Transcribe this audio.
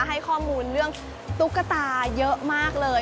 ให้ข้อมูลเรื่องตุ๊กตาเยอะมากเลย